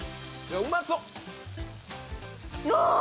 うまそっ！